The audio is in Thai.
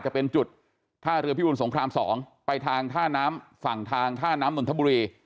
จะเป็นจุดท่าเรือพิบูลสงคราม๒ไปทางท่าน้ำฝั่งทางท่าน้ำนนทบุรี